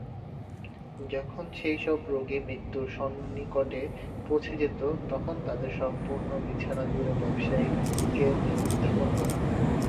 যখন সেইসব রোগী মৃত্যুর সন্নিকটে পৌছে যেত, তখন তাদের সম্পূর্ণ বিছানা জুড়ে ব্যবসায়িক স্কেল স্থাপন করা হত।